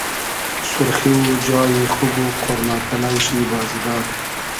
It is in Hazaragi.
سورخی و جای خوب و قۉرمۂ پئلۆ شی بازی داد